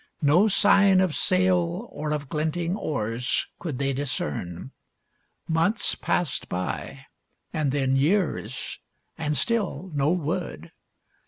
No sign of sail or of glinting oars could they discern. Months' passed by and then years, and still no word.